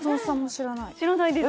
知らないです